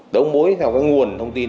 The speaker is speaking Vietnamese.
đấu mối theo cái nguồn thông tin